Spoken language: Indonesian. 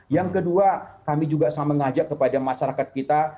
yang kedua kami juga sama ngajak kepada masyarakat kita